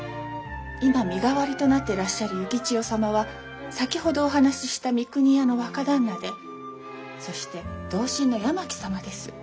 今身代わりとなっていらっしゃる幸千代様は先ほどお話しした三国屋の若旦那でそして同心の八巻様です。